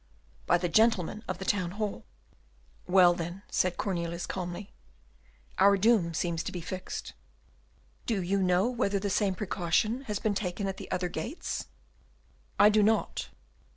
"By the gentlemen of the Town hall." "Well, then," said Cornelius calmly, "our doom seems to be fixed." "Do you know whether the same precaution has been taken at the other gates?" "I do not."